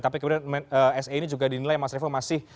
tapi kemudian se ini juga dinilai mas revo masih